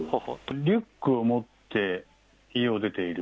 リュックを持って家を出ている。